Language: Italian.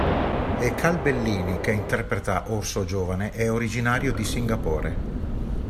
E Cal Bellini, che interpreta Orso Giovane, è originario di Singapore.